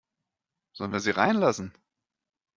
Sollen wir sie reinlassen?